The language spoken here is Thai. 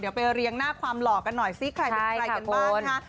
เดี๋ยวไปเรียงหน้าความหล่อกันหน่อยสิใครเป็นใครกันบ้างนะคะ